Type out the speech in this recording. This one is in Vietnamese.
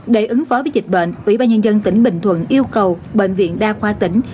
để ứng phó với dịch bệnh ủy ban nhân dân tỉnh bình thuận yêu cầu bệnh viện đa khoa tỉnh